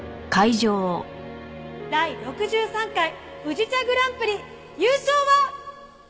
第６３回宇治茶グランプリ優勝は。